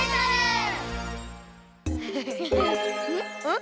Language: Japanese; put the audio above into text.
ん！？